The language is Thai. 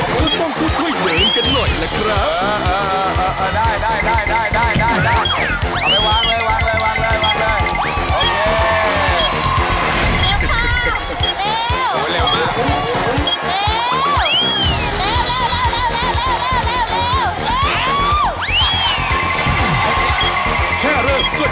ก็ต้องค่อยเดินกันหน่อยละครับ